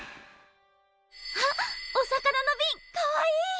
あっお魚のビンかわいい！